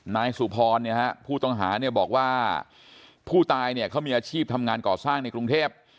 นายสุพรผู้ต้องหาเนี่ยบอกว่าผู้ตายเนี่ยเขามีอาชีพทำงานก่อสร้างในกรุงเทพ